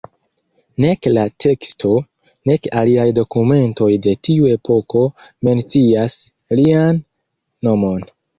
Nek la teksto, nek aliaj dokumentoj de tiu epoko mencias lian nomon.